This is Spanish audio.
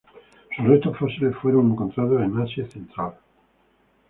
Sus restos fósiles fueron encontrados en Asia Central.